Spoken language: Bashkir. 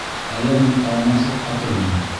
Әллә мин ҡарамаҫлыҡ ҡатынмы?